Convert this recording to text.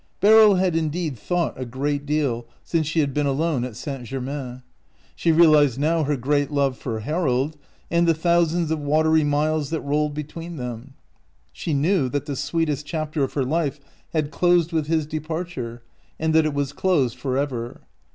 Beryl had indeed thought a great deal since she had been alone at St. Germain. She realized now her great love for Harold, and the thousands of watery miles that rolled between them. She knew that the sweetest chapter of her life had closed with his departure, and that it was closed forever.